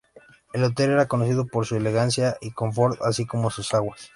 El hotel era conocido por su elegancia y confort, así como sus aguas.